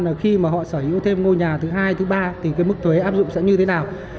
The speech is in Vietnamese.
là khi mà họ sở hữu thêm ngôi nhà thứ hai thứ ba thì cái mức thuế áp dụng sẽ như thế nào